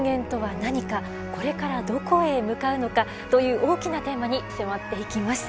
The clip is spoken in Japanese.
「これからどこへ向かうのか」という大きなテーマに迫っていきます。